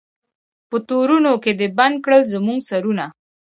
په تورونو کي دي بند کړل زموږ سرونه